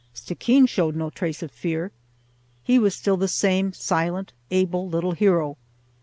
Stickeen showed no trace of fear. He was still the same silent, able little hero.